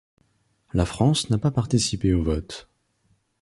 La France n'a pas participé au vote.